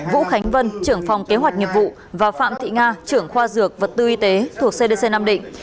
vũ khánh vân trưởng phòng kế hoạch nghiệp vụ và phạm thị nga trưởng khoa dược vật tư y tế thuộc cdc nam định